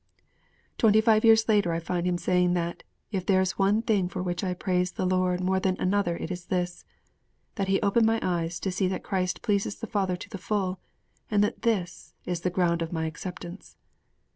Twenty five years later, I find him saying that, 'if there is one thing for which I praise the Lord more than another it is this: that He opened my eyes to see that Christ pleases the Father to the full, and that this is the ground of my acceptance.'